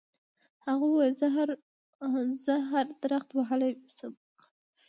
هغه وویل چې زه هر درخت وهلی شم.